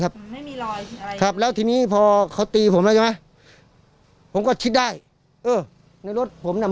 ไม่มีรอยอะไรครับแล้วทีนี้พอเขาตีผมแล้วใช่ไหมผมก็คิดได้เออในรถผมน่ะ